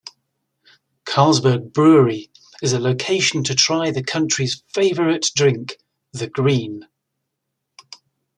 Carlsberg Brewery is a location to try the country's favorite drink, the Green.